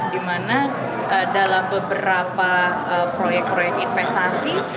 dimana dalam beberapa proyek proyek investasi